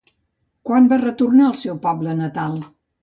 Quan va retornar al seu poble natal?